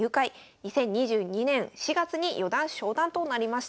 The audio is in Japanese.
２０２２年４月に四段昇段となりました。